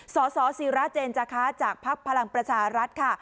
สสิระเจนจาคะจากภักดิ์พลังประชารัฐค่ะ